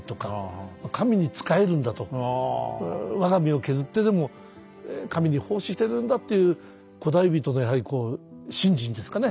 我が身を削ってでも神に奉仕してるんだっていう古代人のやはりこう信心ですかね